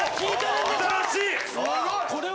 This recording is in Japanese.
新しい！